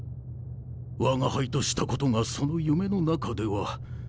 我が輩としたことがその夢の中では。